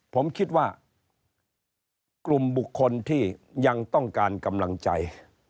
ผมคิดว่ากลุ่มบุคคลที่ยังต้องการกำลังใจ